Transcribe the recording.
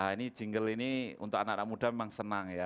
ini jingle ini untuk anak anak muda memang senang ya